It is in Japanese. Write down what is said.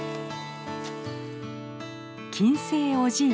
「金星おじい」